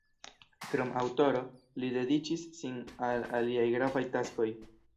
Krom aŭtoro, li dediĉis sin al aliaj gravaj taskoj.